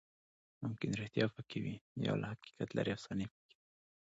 ممکن ریښتیا پکې وي، یا له حقیقت لرې افسانې پکې وي.